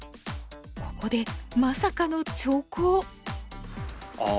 ここでまさかの長考。